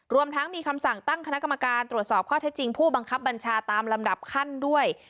รวมทั้งมีคำสั่งตั้งคณะกรรมการตรวจสอบข้อเท็จจริงผู้บังคับบัญชาตามลำดับขั้นด้วย